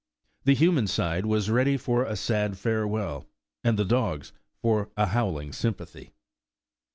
The human side was ready for a sad farewell, and the dogs for a howling sympathy.